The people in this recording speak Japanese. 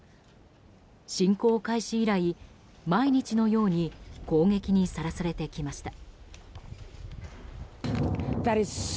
侵攻開始以来、毎日のように攻撃にさらされてきました。